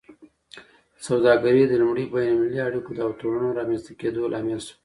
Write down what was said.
سوداګري د لومړي بین المللي اړیکو او تړونونو رامینځته کیدو لامل شوه